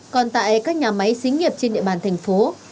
còn tại các nhà máy xí nghiệp trên địa bàn thành phố